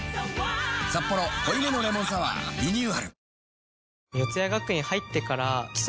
「サッポロ濃いめのレモンサワー」リニューアル